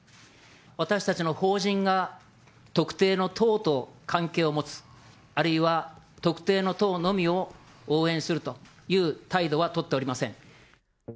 私たちの法人が特定の党と関係を持つ、あるいは特定の党のみを応援するという態度は取っておりません。